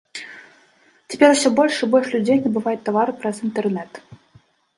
Цяпер усё больш і больш людзей набываюць тавары праз інтэрнэт.